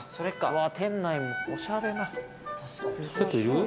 店内もおしゃれな。